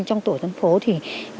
trong tổ dân phố thì